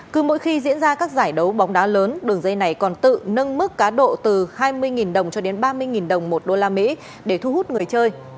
cứ mỗi khi diễn ra các giải đấu bóng đá lớn đường dây này còn tự nâng mức cá độ từ hai mươi đồng cho đến ba mươi đồng một đô la mỹ để thu hút người chơi